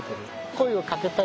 声をかけたい。